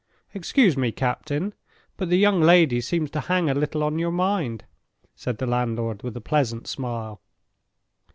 "Excuse me, captain—but the young lady seems to hang a little on your mind," said the landlord, with a pleasant smile.